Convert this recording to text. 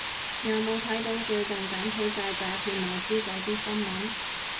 有冇睇到最近柬埔寨詐騙賣豬仔啲新聞